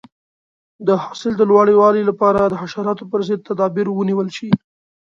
د حاصل د لوړوالي لپاره د حشراتو پر ضد تدابیر ونیول شي.